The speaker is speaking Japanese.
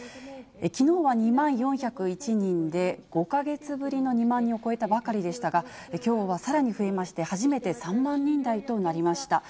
きのうは２万４０１人で、５か月ぶりの２万人を超えたばかりでしたが、きょうはさらに増えまして、初めて３万人台となりました。